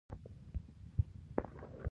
افغانستان د د ریګ دښتې له مخې پېژندل کېږي.